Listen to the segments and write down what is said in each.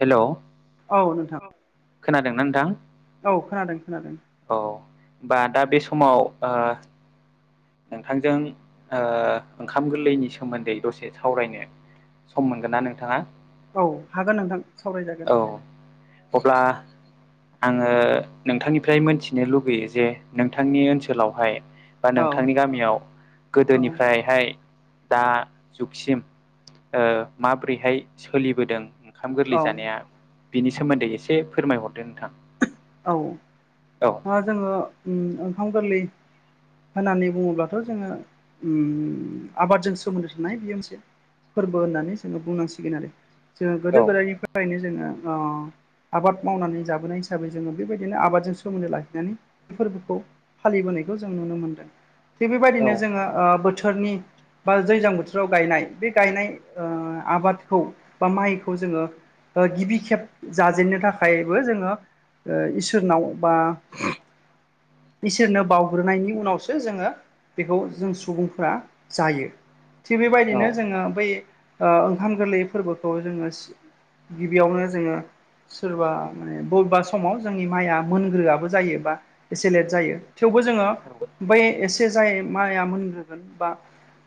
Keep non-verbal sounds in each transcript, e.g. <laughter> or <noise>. हेल'। औ नोंथां। खोनादोंना नोंथां। औ खोनादों-खोनादों। औ होमबा दा बे समाव ओ नोंथांजों ओ ओंखाम गोरलैनि सोमोन्दै दसे सावरायनो सम मोनगोन ना नोंथाङा? औ हागोन नोंथां। सावरायजागोन औ अब्ला आङो नोंथांनिफ्राय मोनथिनो लुगैयो जे नोंथांनि ओनसोलावहाय बा औ नोंथांनि गामियाव औ गोदोनिफ्रायहाय दा जुगसिम ओ माब्रैहाय सोलिबोदों ओंखाम गोर औ जानाया बिनि सोमोन्दै एसे फोरमायहरदो नोंथां। औ ओ जोङो ओ ओंखाम गोरलै होननानै बुङोब्लाथ' जोङो ओम आबादजों सोमोन्दो थानाय बे मोनसे फोरबो होननानै जोङो बुंनांसिगोन आरो। जोङो औ गोदो गोदायनिफ्रायनो जोङो ओ आबाद मावनानै जाबोनाय हिसाबै जोङो बेबायदिनो आबादजों सोमोन्दो लाखिनानै बे फोरबोखौ फालिबोनायखौ जों नुनो मोनदों। थिग औ बेबायदिनो जोङो ओ बोथोरनि बा दैज्लां बोथोराव गायनाय बे गायनाय ओ आबादखौ बा माइखौ जोङो ओ गिबि खेब जाजेननो थाखायबो जोङो ओ इसोरनाव बा इसोरनो बावग्रोनायनि उनावसो जोङो बेखौ जों सुबुंफोरा जायो। थिग बेबायदिनो औ जोङो बै ओ ओंखाम गोरलै फोरबोखौ जोङो गिबियावनो जोङो सोरबा माने बबेबा समाव जोंनि माइया मोनग्रोआबो जायो बा एसे लेट जायो, थेवबो जोङो औ बै एसे जाय माइया मोनग्रोगोन बा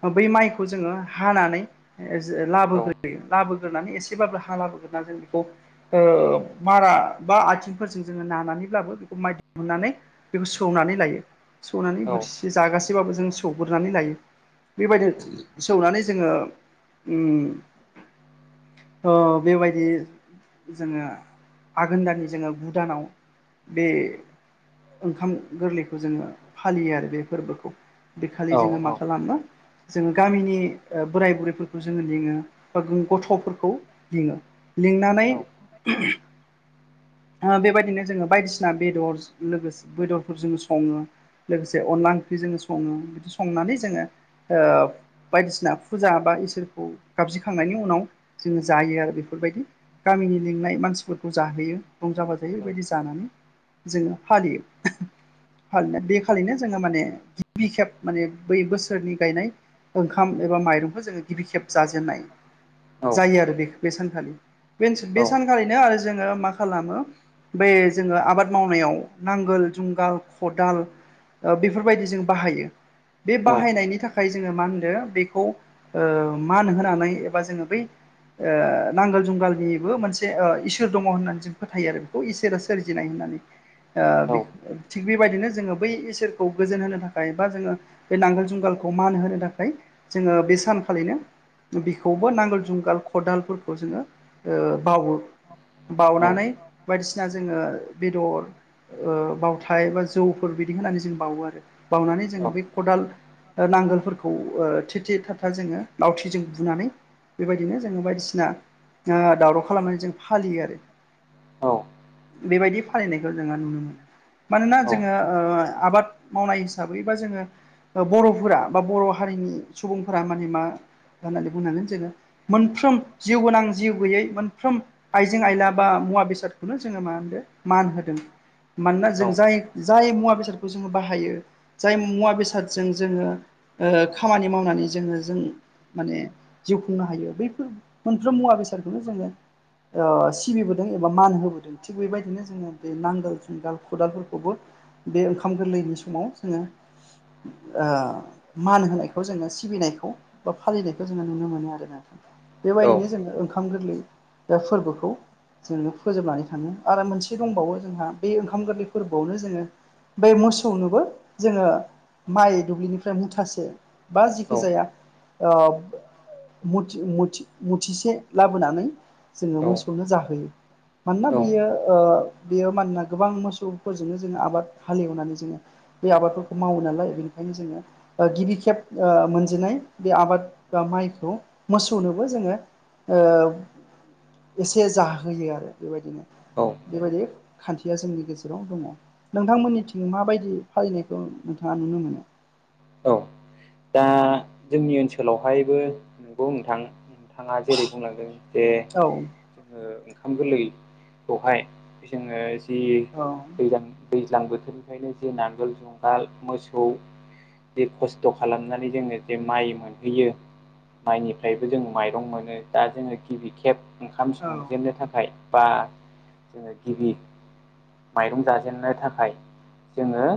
ओ बै माइखौ जोङो हानानै <unintelligible> लाबोग्रोयो लाबोग्रोनानै एसेबाबो हा लाबोग्रोनानै जों बेखौ ओ मारा बा आथिंफोरजों जोङो नानानैब्लाबो बेखौ माइ दिहुननानै बेखौ सौनानै लायो। सौनानै बोथिसे जागासेबाबो जों सौग्रोनानै लायो। बेबायदिनो सौनानै जोङो ओम ओ बेबायदि जोङो आघोन दाननि जोङो गु दानाव बे ओंखाम गोरलैखौ जोङो फालियो आरो बे फोरबोखौ। बेखालि जोङो मा खालामो जोङो गामिनि ओ बोराय बुरैफोरखौ जोङो लिङो बा गथ'फोरखौ लिङो। लिंनानै ओ बेबायदिनो जोङो बायदिसिना बेदर लोगोसे बेदरफोरजों सङो, लोगोसे अनला ओंख्रिजों सङो। बिदि संनानै जोङो ओ बायदिसिना फुजा बा इसोरखौ गाबज्रिखांनायनि उनाव जोङो जायो आरो बेफोरबायदि। गामिनि लिंनाय मानसिफोरखौ जाहोयो रंजा बाजायो। बेबायदि जानानै जोङो फालियो। खालिनो बे खालिनो जोङो माने गिबि खेब माने बै बोसोरनि गायनाय ओंखाम एबा माइरंखौ जोङो गिबि खेब जाजेननाय जायो आरो बेखौ बे सानखालि। बे बे सानखालिनो आरो जोङो मा खालामो बे जोङो आबाद मावनायाव नांगोल, जुंगाल, खदाल, ओ बेफोरबायदि जों बाहायो। बे बाहायनायनि थाखाय जोङो मा होनदों बेखौ ओ मान होनानै एबा जोङो बै ओ नांगोल जुंगालनिबो मोनसे ओ इसोर दङ होननानै जों फोथायो आरो बेखौ इसोरा सोरजिनाय होननानै। ओ बे थिग बेबायदिनो जोङो बै इसोरखौ गोजोन होनो थाखाय बा जोङो बे नांगोल जुंगालखौ मान होनो थाखाय जोङो बे सानखालिनो बेखौबो नांगोल जुंगाल खदालफोरखौ जोङो ओ बाउवो। बाउनानै बायदिसिना जोङो बेदर ओ बावथाय बा जौफोर बिदि होनानै जों बाउवो आरो। बाउनानै जोङो बे खदाल ओ नांगोलफोरखौ ओ थे थे था था जोङो लावथिजों बुनानै बेबायदिनो जोङो बायदिसिना ओ दावराव खालामनानै जों फालियो आरो। बेबायदि फालिनायखौ जोङो नुनो मोनो। मानोना जोङो ओ आबाद मावनाय हिसाबै बा जोङो ओ बर'फोरा बा बर' हारिनि सुबुंफोरा माने मा होननानै बुंनांगोन जोङो। मोनफ्रोम जिउ गोनां जिउ गैयै मोनफ्रोम आइजें आइला बा मुवा बेसादखौनो जोङो मा होनो मान होदों। मानोना जों जाय जाय मुवा बेसादखौ जोङो बाहायो जाय मुवा बेसादजों जोङो ओ खामानि मावनानै जोङो जों माने जिउ खुंनो हायो बैफोर मोनफ्रोम मुवा बेसादखौनो जोङो ओ सिबिबोदों एबा मान होबोदों। थिग बेबायदिनो जोङो बे नां गोल, जुंगाल, खदालफोरखौबो बे ओंखाम गोरलैनि समाव जोङो ओ मान होनायखौ जोङो सिबिनायखौ बा फालिनायखौ जोङो नुनो मोनो आरोना। बेबायदिनो जोङो ओंखार ओंखाम गोरलै बे फोरबोखौ जोङो फोजोबनानै थाङो आरो मोनसे दंबावो जोंहा बे ओंखाम गोरलै फोरबोआवनो जोङो बे मोसौनोबो जोङो माइ दुब्लिनिफ्राय मुथासे बा जिखि जाया ओ मथि-मथि-मुथिसे लाबोनानै जोङो मोसौनो जाहोयो। मानोना बेयो ओ बेयो मानोना गोबां मोसौफोरजोंनो जोङो आबाद हालेवनानै जोङो बे आबादफोरखौ मावो नालाय बेनिखायनो जोङो ओ गिबि खेब ओ मोनजिनाय बे आबाद बा माइखौ मोसौनोबो जोङो ओ एसे जाहोयो आरो बेबायदिनो। औ बेबायदि या जोंनि गेजेराव दङ। नोंथांमोननिथिं माबायदि फालिनायखौ नोंथाङा नुनो मोनो? औ दा जोंनि ओनसोलावहायबो नंगौ नोंथां नोंथाङा जेरै बुंलांदों जे औ जोङो ओंखाम गोरलैखौहाय जोङो जि औ दैज्लां दैज्लां बोथोरनिफ्रायनो जे नांगोल जुंगाल मोसौ ज खस्थ' खस्थ' खालामनानै जोङो जे माइ मोनहैयो माइनिफ्रायबो जों माइरं मोनो दा जोङो गिबि खेब ओंखाम औ संजेननो थाखाय बा जोङो गिबि माइरं जाजेननो थाखाय जोङो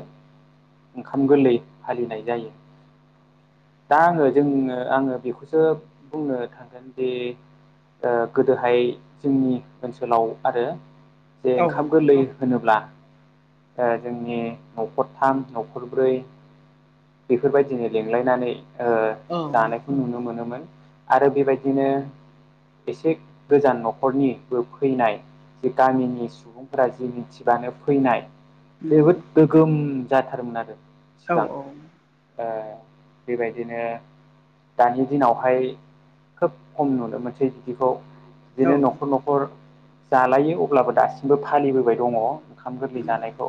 ओंखाम गोरलै फालिनाय जायो। दा आङो जोंङो आङो बेखौसो बुंनो थांगोन दि ओ गोदोहाय जोंनि ओनसोलाव आरो जे औ ओंखाम गोरलै होनोब्ला ओ जोंनि न'खरथाम न'खरब्रै बेफोरबायदिनो लेंलायनानै ओ औ जानायखौ नुनो मोनोमोन। आरो बेबायदिनो एसे गोजान न'खरनिबो फैनाय जे गामिनि सुबुंफोरा जि मिथिबानो फैनाय नंगौ जोबोद गोगोम जाथारोमोन आरो। औ सिगां औ ओ बेबायदिनो दानि दिनावहाय खोब खम नुनो मोनसै बिदिखौ। औ बिदिनो न'खर न'खर जालायो अब्लाबो दासिमबो फालिबोबाय दङ। ओंखाम गोरलै नंगौ जानायखौ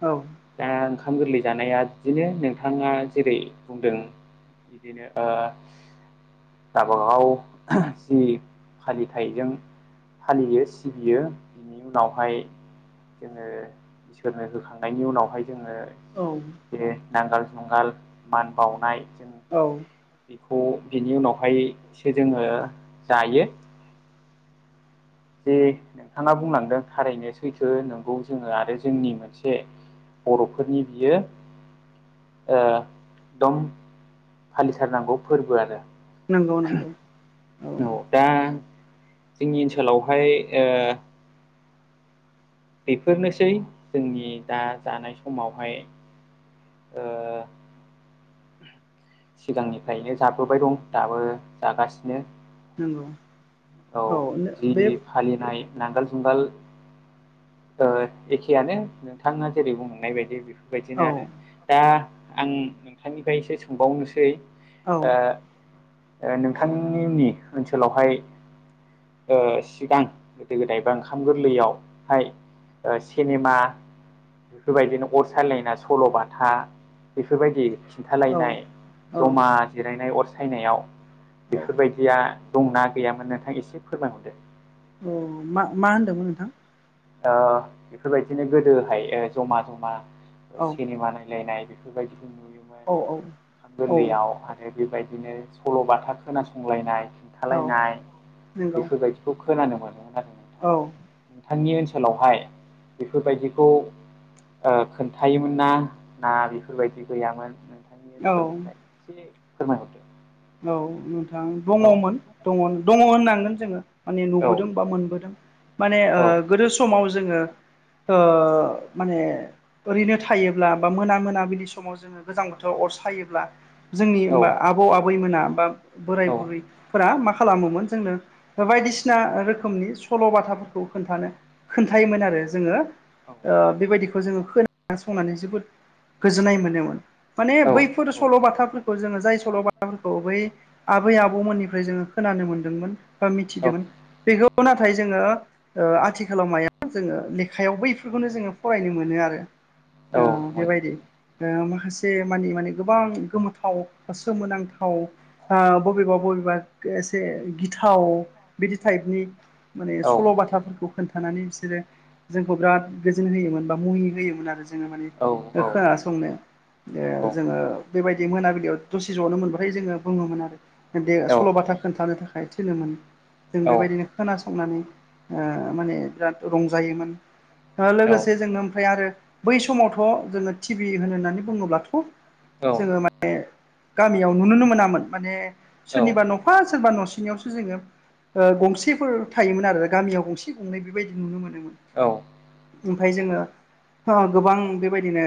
औ दा ओंखाम गोरलै जानाया बिदिनो नों थाङा जेरै बुंदों बिदिनो ओ गाबागाव जि फालिथाइजों फालियो सिबियो बिनि उनावहाय जोङो इसोरनो होखांनायनि उनावहाय जोङो औ जे नांगोल जुंगाल मान बावनाय औ बेखौ बिनि उनावहायसो जोङो जायो। जे नोंथाङा बुंलांदों थारैनो सैथो नोंगौ जोङो आरो जोंनि मोनसे बर'फोरनि बियो ओ दम फालिथारनांगौ फोरबो आरो नोंगौ नोंगौ औ दा जोंनि ओनसोलावहाय ओ बेफोरनोसै जोंनि दा जानाय समावहाय ओ सिगांनिफायनो जाबोबाय दं दाबो जागासिनो। नोंगौ औ जि फालिनाय नांगोल जुंगाल ओ एखेयानो नोंथाङा जेरै बुंलांनाय बायदि औ बेफोरबायदिनो आरो। औ दा आं नोंथांनिफ्रायसो सोंबावनोसै औ ओ। ओ नोंथांनि ओनसोलावहाय ओ सिगां गोदो गोदाय बा ओंखाम गोरलैयावहाय ओ सिनेमा बेफोरबायदिनो अर सायलायना सल'बाथा बेफोरबायदि औ खिन्थालायनाय औ जमा जिरायनाय अर सायनायाव औ बेफोरबायदिया दंना गैयामोन नोंथां एसे फोरमायहरदो। औ मा मा होन्दोमोन नोंथां। ओ बेफोरबायदिनो गोदोहाय ओ जमा जमा औ सिनेमा नायलायनाय बेफोरबायदिखौ नुयोमोन औ औ ओंखाम औ गोरलैयाव आरो बेबायदिनो सल'बाथा खोनासंलायनाय औ खोन्थालायनाय नंगौ बेफोरबायदि खौ खोनानो मोनोमोन आरो। औ नोंथांनि ओनसोलावहाय बेफोरबायदिखौ ओ खोन्थायोमोन ना ना बेफोरबायदि गैयामोन। नोंनि औ ओनसोलनिफ्राय एसे फोरमायहरदो? औ नोंथां दङमोन दङ दङ होननांगोन जोङो। माने औ नुबोदों बा मोनबोदों माने ओ गोदो समाव जोङो ओ माने ओरैनो थायोब्ला बा मोना मोना बिलि समाव जोङो गोजां बोथोराव अर सायोब्ला जोंनि औ ओमबा आबौ आबैमोना बा औ बोराय बुरैफोरा मा खालामोमोन जोंनो बायदिसिना रोखोमनि सल' बाथाफोरखौ खोन्थानो खोन्थायोमोन आरो जोङो ओ बेबायदिखौ जोङो खोनासंनानै जोबोद गोजोननाय मोनोमोन। माने औ बैफोर सल'बाथाफोरखौ जोङो जाय सल'बा बै आबै आबौमोननिफ्राय जोङो खोनानो मोनदोंमोन बा औ मिथिदोमोन बेखौ खौ नाथाय जोङो ओ आथिखालाव माया जोङो लेखायाव बैफोरखौनो जोङो फरायनो मोनो आरो। ओ औ मोन बेबायदि ओ माखासे मानि माने गोबां गोमोथाव बा सोमोनां थाव आ बबेबा बबेबा एसे गिथाव बिदि थाइपनि माने औ सल' बाथाफोरखौ खोन्थानानै बिसोरो जोंखौ बिराद गोजोन होयोमोन बा मुहि होयोमोन आरो जोङो माने औ औ ओ खोनासंनो ओ नंगौ जोङो बेबायदि मोनाबिलियाव दसे ज'नो मोनबा ओमफाय जोङो बुङोमोन आरो बे औ सल'बाथा खोन्थानो थाखाय थिनोमोन। जों औ बेबायदिनो खोनासंनानै ओ माने बिराद रंजायोमोन। औ लोगोसे जोङो ओमफाय आरो बै समावथ' जोङो टि भि होनो होननानै बुङोब्लाथ' औ जोङो माने याव नुुनो मोनामोन माने औ सोरनिबा न'फा सोरबा न'सेनियावसो जोङो ओ गंसेफोर थायोमोन आरो गामियाव गंसे गंनै बेबायदि नुनो मोनोमोन। औ ओमफाय जोङो गोबां बेबायदिनो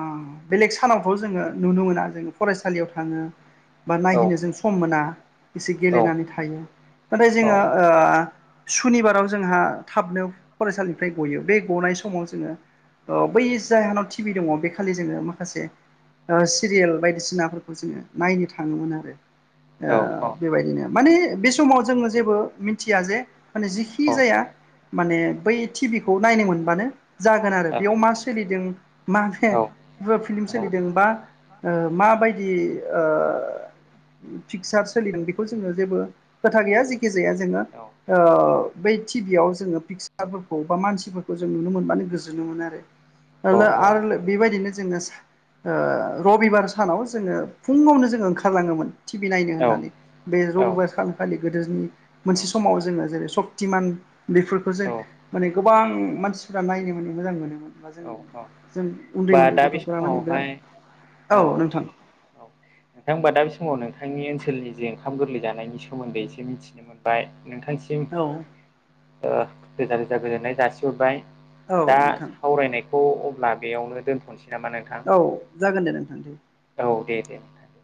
ओ बेलेग सानावथ' जोङो नुनो मोना जों फरायसालियाव थां थाङो बा औ नायहैनो जों सम मोना एसे नंगौ नोंथां गेलेनानै थायो। नाथाय औ जोङो ओ सुनिबाराव जोंहा थाबनो फरायसालिनिफ्राय गयो बे गनाय समाव जोङो औ बै जायहोनाव टिभि दङ बै खालि जोङो माखासे सिरियेल बायदिसिना खौ जोङो नायनो थाङोमोन आरो औ औ ओ बेबायदिनो माने बे समाव जोंङो जेबो मिनथिया जे माने जिखि जाया माने बै टिभिखौ नायनो मोनबानो जागोन आरो बेयाव मा सोलिदों मा फेन बो फिल्म सोलिदों बा ओ माबायदि ओ पिकसार सोलिदों बेखौ जोंङो जेबो खोथा गैया जेखि जाया जोंङो ओ बै टिभियाव जोंङो फिक्स फिकसारफोरखौ बा मानसिफोरखौ जों नुनो मोनबानो गोजोननो मोनो आरो। <unintelligible> आरो बेबायदिनो जोङो रबिबार सानाव जोंङो फुंङावनो जोंङो ओंखारलांङोमोन टि भि नायनो होननानै बे रबिबार सान खालि गोदोनि मोनसे समाव जोंङो जेरै सक्तिमान बेफोरखौ औ जों माने गोबां मानसिफ्रा नायनो माने मोजां मोनोमोन बा जों जों उन्दै बा उन्दै दा बे गथ'फोरा माने बिराद समावहाय औ नोंथां नोंथां होमबा दा बे समाव नोंथांनि ओनसोलनि जे ओंखाम गोरलै जानायनि सोमोन्दै एसे मिथिनो मोनबाय नोंथांसिम औ ओ रोजा रोजा गोजोननाय जासिहरबाय। औ दा नोंथां सावरायनायखौ अब्ला बेयावनो दोनथ'नोसै नामा नोंथां औ जागोन दे नोंथां दे औ दे दे नोंथां